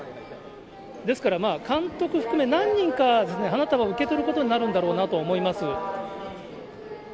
ですから、監督含め、何人か花束を受け取ることになるんだろうなと思います。